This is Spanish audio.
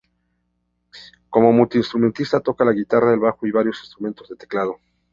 Como multi-instrumentista, toca la guitarra, el bajo y varios instrumentos de teclado.